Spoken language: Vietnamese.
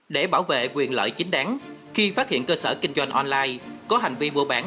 để bảo vệ quyền lợi chính đáng khi phát hiện cơ sở kinh doanh online có hành vi mua bán